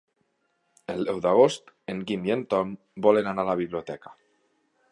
El deu d'agost en Guim i en Tom volen anar a la biblioteca.